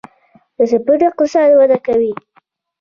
د سپورت اقتصاد وده کوي